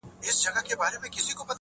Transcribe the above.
خداى وركړي عجايب وه صورتونه!